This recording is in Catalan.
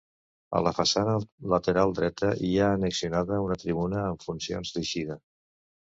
A la façana lateral dreta hi ha annexionada una tribuna amb funcions d'eixida.